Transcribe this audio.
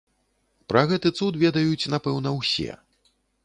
Пра гэты цуд ведаюць, напэўна, усе.